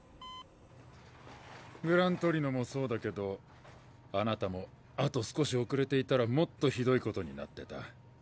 グラントリノもそうだけどあなたもあと少し遅れていたらもっとひどいことになってた。